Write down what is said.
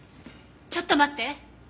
ちょっと待って！